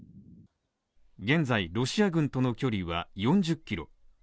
現在、ロシア軍との距離は４０キロ。